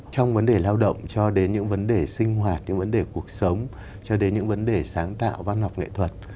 trong vấn đề lao động cho đến những vấn đề sinh hoạt những vấn đề cuộc sống cho đến những vấn đề sáng tạo văn học nghệ thuật